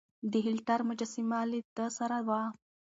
د هېټلر مجسمه له ده سره وه.